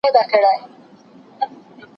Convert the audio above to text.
زه پرون انځور وليد!!